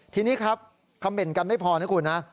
ทีนี้ครับคำเมนต์กันไม่พอนะคุณนะ